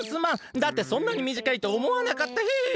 だってそんなにみじかいとおもわなかったヒン！